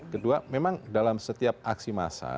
kedua memang dalam setiap aksi massa